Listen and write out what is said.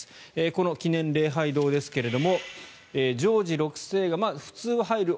この記念礼拝堂ですがジョージ６世が普通は入る